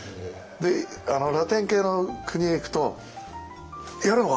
ラテン系の国へ行くと「やるのか。